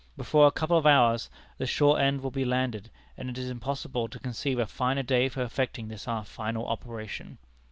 Before a couple of hours the shore end will be landed, and it is impossible to conceive a finer day for effecting this our final operation.